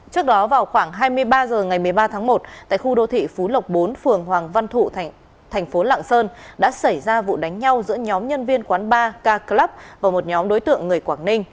trước đó vào khoảng hai mươi ba h ngày một mươi ba tháng một tại khu đô thị phú lộc bốn phường hoàng văn thụ thành phố lạng sơn đã xảy ra vụ đánh nhau giữa nhóm nhân viên quán bar kaclub và một nhóm đối tượng người quảng ninh